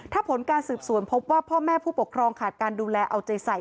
ถ้าผลการสืบสวนพบว่าพ่อแม่ผู้ปกครองขาดการดูแลเอาใจใส่